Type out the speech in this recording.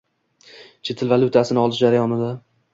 Chet el valyutasini olish jarayonida